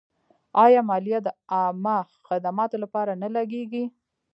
آیا مالیه د عامه خدماتو لپاره نه لګیږي؟